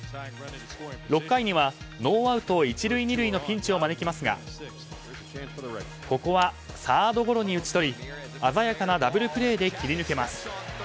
６回にはノーアウト１塁、２塁のピンチを招きますがここはサードゴロに打ち取り鮮やかなダブルプレーで切り抜けます。